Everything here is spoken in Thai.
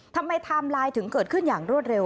ไทม์ไลน์ถึงเกิดขึ้นอย่างรวดเร็ว